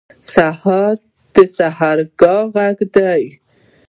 سهار د سحرګاه غږ دی.